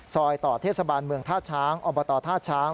ต่อเทศบาลเมืองท่าช้างอบตท่าช้าง